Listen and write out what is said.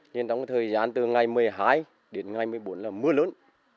nên trong thời gian từ ngày một mươi hai đến ngày một mươi bốn là mưa lớn